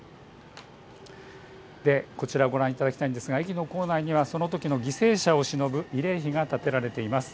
こちらご覧いただきたいんですが駅の構内にはそのときの犠牲者をしのぶ慰霊碑が建てられています。